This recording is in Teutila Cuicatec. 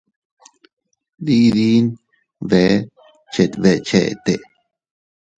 Diidin bee chet beʼe chete.